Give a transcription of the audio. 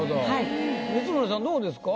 光宗さんどうですか？